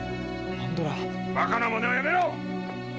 バカなマネはやめろ！